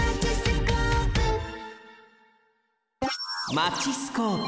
マチスコープ。